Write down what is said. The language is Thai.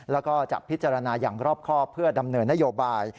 แล้วก็จะพิจารณาอย่างรอบครอบเพื่อดำเนินนโยบาย